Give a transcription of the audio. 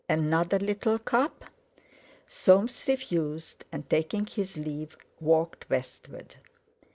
"Another little cup?" Soames refused, and, taking his leave, walked westward.